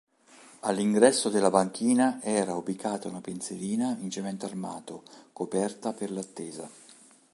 All'ingresso della banchina era ubicata una pensilina in cemento armato coperta per l’attesa.